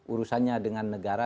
urusannya dengan negara